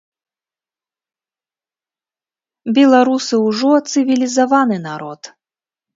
Беларусы ўжо цывілізаваны народ.